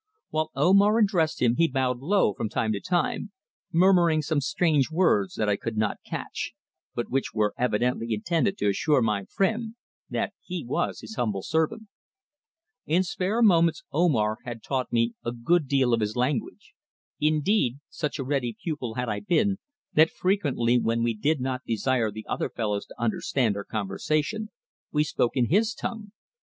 While Omar addressed him he bowed low from time to time, murmuring some strange words that I could not catch, but which were evidently intended to assure my friend that he was his humble servant. In spare moments Omar had taught me a good deal of his language. Indeed, such a ready pupil had I been that frequently when we did not desire the other fellows to understand our conversation we spoke in his tongue.